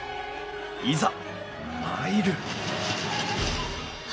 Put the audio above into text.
いざ参る！